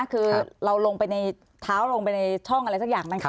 คือเราลงไปในเท้าลงไปในช่องอะไรสักอย่าง